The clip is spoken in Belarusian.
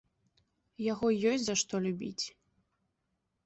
Яго ёсць за што любіць.